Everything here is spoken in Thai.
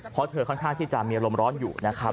เพราะเธอค่อนข้างที่จะมีอารมณ์ร้อนอยู่นะครับ